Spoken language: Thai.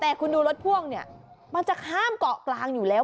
แต่คุณดูรถพ่วงเนี่ยมันจะข้ามเกาะกลางอยู่แล้ว